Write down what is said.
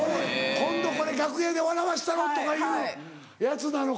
今度これ楽屋で笑わしたろとかいうやつなのか。